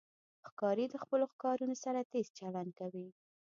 ښکاري د خپلو ښکارونو سره تیز چلند کوي.